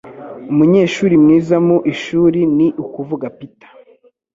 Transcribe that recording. Umunyeshuri mwiza mu ishuri, ni ukuvuga Peter